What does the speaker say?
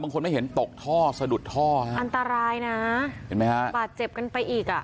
บางคนไม่เห็นตกท่อสะดุดท่ออันตรายนะปากเจ็บกันไปอีก